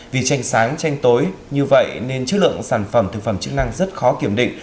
vì tranh sáng tranh tối như vậy nên chất lượng sản phẩm thực phẩm chức năng rất khó kiểm định